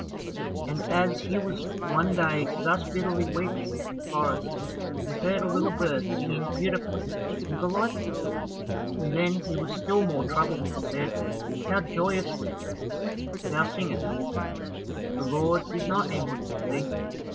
And as he was one day thus bitterly weeping in the forest, he heard a little bird singing beautifully and delightfully, and then he was still more troubled and said, "How joyously thou singest, the Lord is not angry with thee.